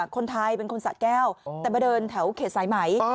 เป็นคนสะแก้วแต่มาเดินแถวเขตสายไหม